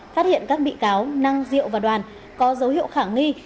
phát hiện các bị cáo năng diệu và đoàn có dấu hiệu khả nghi